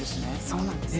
そうなんです。